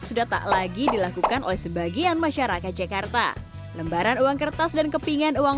sudah tak lagi dilakukan oleh sebagian masyarakat jakarta lembaran uang kertas dan kepingan uang